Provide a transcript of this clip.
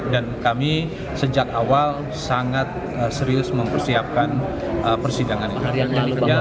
dan kami sejak awal sangat serius mempersiapkan persidangan itu